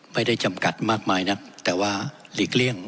ไม่ได้จำกัดมากมายนะแต่ว่าหลีกเลี่ยง